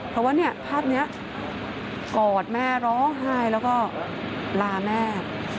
เพราะว่าเนี่ยภาพนี้กอดแม่ร้องไห้แล้วก็ลาแม่